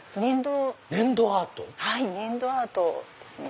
はい粘土アートですね。